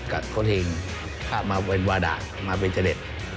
กับโค้ดเองมาเป็นวาดะมาเป็นเจอร์เดช